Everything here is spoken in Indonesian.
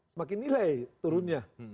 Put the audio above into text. semakin nilai turunnya